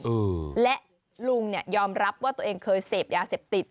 เออและลุงยอมรับว่าตัวเองเคยเสพยาเสพติด